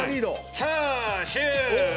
チャーシュー。